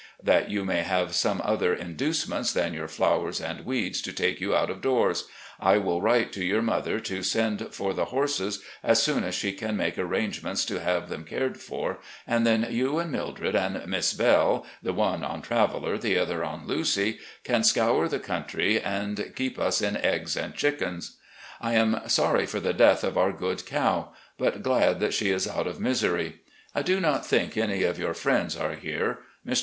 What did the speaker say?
That you may have some other inducements than your flowers and weeds to take you out of doors, I will write to your mother to send for the horses as soon as she can make arrangements to have them cared for, and then you and Mildred and Miss Belle, the one on Traveller, the other on Lucy, can scour the coimtry and keep us in eggs and chickens. I am sorry for the death of our good cow, but glad that she is out of misery. ... I do not think any of your friends are here. Mr.